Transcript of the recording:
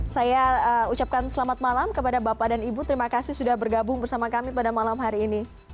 saya ucapkan selamat malam kepada bapak dan ibu terima kasih sudah bergabung bersama kami pada malam hari ini